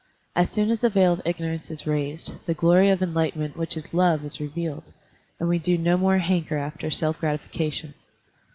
As soon as the veil of ignorance is raised, the glory of enlightenment which is love is revealed, and we do no more hanker after self gratification.